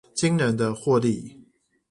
驚人的獲利